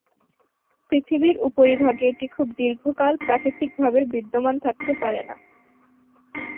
পৃথিবীর উপরিভাগে এটি খুব দীর্ঘকাল প্রাকৃতিকভাবে বিদ্যমান থাকতে পারে না।